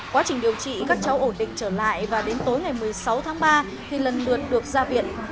quá trình điều trị các cháu ổn định trở lại và đến tối ngày một mươi sáu tháng ba thì lần lượt được ra viện